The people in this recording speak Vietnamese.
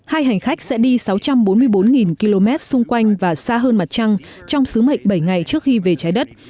hai hành khách sẽ đi sáu trăm bốn mươi bốn km xung quanh và xa hơn mặt trăng trong sứ mệnh bảy ngày trước khi về trái đất